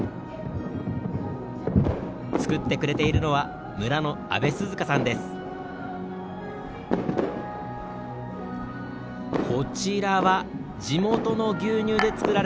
作ってくれているのは村の阿部涼香さんです。